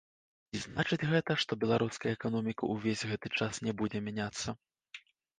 Ці значыць гэта, што беларуская эканоміка ўвесь гэты час не будзе мяняцца?